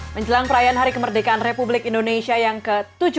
menjelang perayaan hari kemerdekaan republik indonesia yang ke tujuh puluh tujuh